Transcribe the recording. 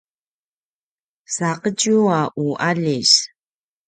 saqetju a u aljis